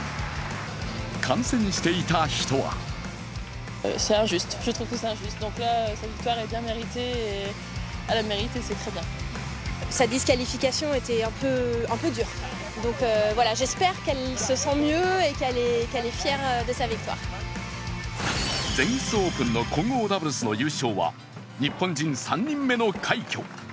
観戦していた人は全仏オープンの混合ダブルスの優勝は日本人３人目の快挙。